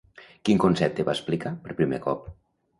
Quin concepte va explicar per primer cop?